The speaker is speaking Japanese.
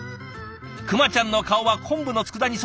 くまちゃんの顔は昆布の佃煮。